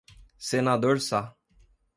Senador Sá